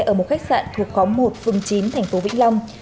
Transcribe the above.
ở một khách sạn thuộc khóa một phường chín tp vĩnh long